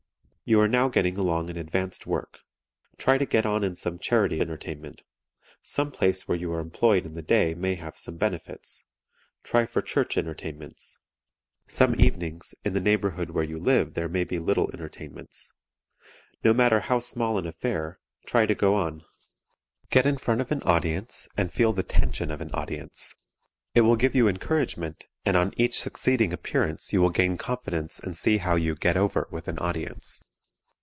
You are now getting along in advanced work. Try to get on in some charity entertainment; some place where you are employed in the day may have some benefits. Try for church entertainments. Some evenings in the neighborhood where you live there may be little entertainments. No matter how small an affair, try to go on. Get in front of an audience and feel the tension of an audience; it will give you encouragement, and on each succeeding appearance you will gain confidence and see how you "get over" with an audience.